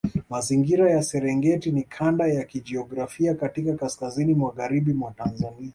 Mazingira ya Serengeti ni kanda ya kijiografia katika kaskazini magharibi mwa Tanzania